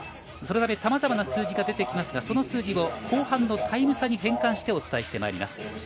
そのためさまざまな数字が出てきますがその数字を後半のタイム差に変換してお伝えします。